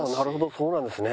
そうなんですね。